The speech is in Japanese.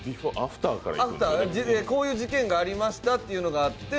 アフター、こういう事件がありましたっていうのがあって、